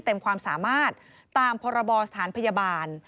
ความสามารถตามพรบสถานพยาบาล